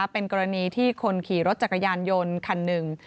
เป็นกรณีที่คนขี่รถจักรยานยนต์คันหนึ่ง